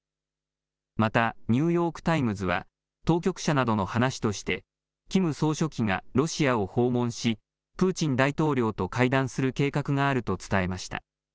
またニューヨーク・タイムズは当局者などの話としてキム総書記がロシアを訪問しプーチン大統領と会談する計画があると伝えました。